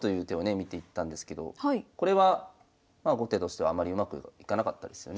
見ていったんですけどこれは後手としてはあまりうまくいかなかったですよね。